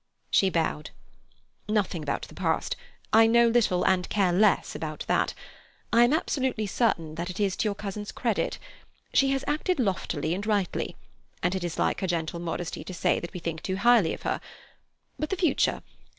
She bowed. "Nothing about the past. I know little and care less about that; I am absolutely certain that it is to your cousin's credit. She has acted loftily and rightly, and it is like her gentle modesty to say that we think too highly of her. But the future.